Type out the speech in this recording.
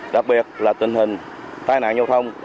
đặc biệt là tình hình tai nạn giao thông